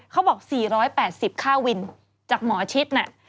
เขาบอก๔๘๐ค่าวินจากหมอชิดน่ะ